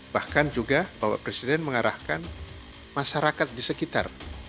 bahkan juga bapak presiden mengarahkan masyarakat di sekitar